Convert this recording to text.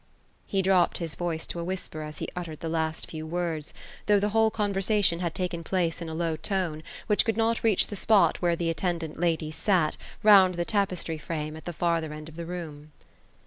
'' He dropped his voice to a whisper, as he uttered the few last words; though the whole conversation had taken plaoe in a low tone, which could ni>t reach the spot where the attendant ladies sat, round the tapes try frame, at the fiurther end of the room.